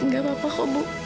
gak apa apa kok bu